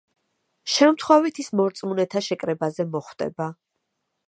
შემთხვევით ის მორწმუნეთა შეკრებაზე მოხვდება.